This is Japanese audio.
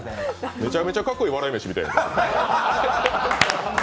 めちゃくちゃかっこいい笑い飯みたいや。